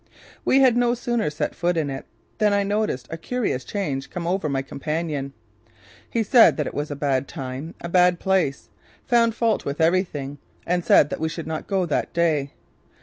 We had no sooner set foot in it than I noticed a curious change come over my companion. He said that it was a bad time, a bad place, found fault with everything and said that we should not go that day.